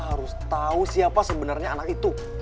harus tahu siapa sebenarnya anak itu